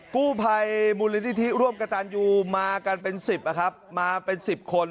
กู้ภัยมูลนิธิร่วมกระตันยูมากันเป็น๑๐นะครับมาเป็น๑๐คน